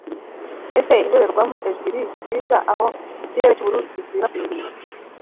ese indorerwamo ebyiri nziza aho ikirere cyubururu gikwirakwiriye